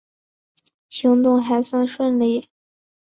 行动还算顺利